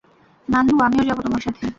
নান্দু, আমিও যাবো তোমার সাথে।